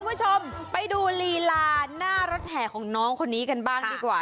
คุณผู้ชมไปดูลีลาหน้ารถแห่ของน้องคนนี้กันบ้างดีกว่า